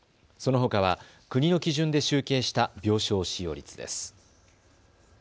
そのほかは国の基準で集計した病床使用率です。